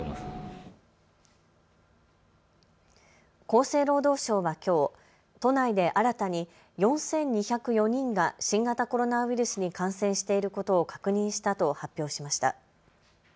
厚生労働省はきょう都内で新たに４２０４人が新型コロナウイルスに感染していることを確認したと発表しました。